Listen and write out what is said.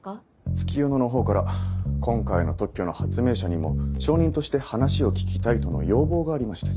月夜野のほうから今回の特許の発明者にも証人として話を聞きたいとの要望がありまして。